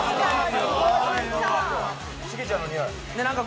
シゲちゃんの匂い。